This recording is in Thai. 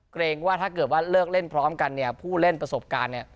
เกรงว่าถ้าเกิดว่าเลิกเล่นพร้อมกันเนี่ยผู้เล่นประสบการณ์เนี่ย